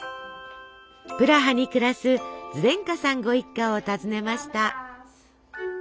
プラハに暮らすズデンカさんご一家を訪ねました。